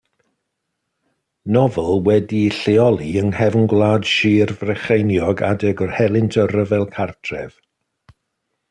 Nofel wedi'i lleoli yng nghefn gwlad Sir Frycheiniog adeg helynt y Rhyfel Cartref.